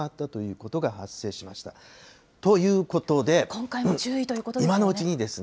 今回も注意ということですね。